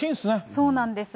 そうなんです。